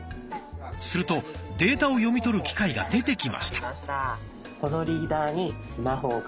するとデータを読み取る機械が出てきました。